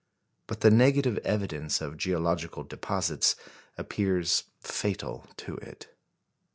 But the negative evidence of geological deposits appears fatal to it.